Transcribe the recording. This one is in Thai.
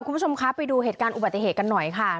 คุณผู้ชมคะไปดูเหตุการณ์อุบัติเหตุกันหน่อยค่ะ